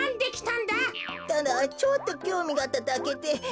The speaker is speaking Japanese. ただちょっときょうみがあっただけで。